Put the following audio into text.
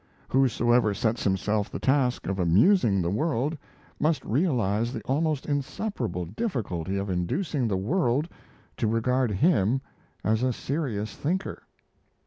Whosoever sets himself the task of amusing the world must realize the almost insuperable difficulty of inducing the world to regard him as a serious thinker.